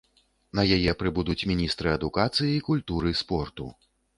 На яе прыбудуць міністры адукацыі, культуры, спорту.